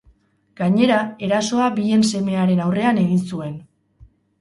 Gainera, erasoa bien semearen aurrean egin zuen.